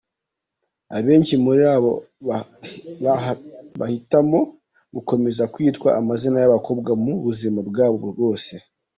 Abenshi muri bo bahitamo gukomeza kwitwa amazina y’abakobwa mu buzima bwabo bwose.